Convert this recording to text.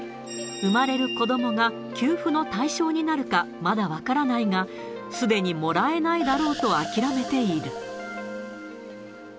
産まれる子どもが給付の対象になるかまだ分からないが、すでにもらえないだろうと諦めている。